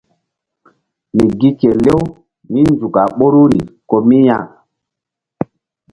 Mi gi kelew mí nzuk a ɓoruri ko mi ya.